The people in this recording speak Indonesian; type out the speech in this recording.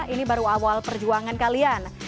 ini baru awal perjuangan kalian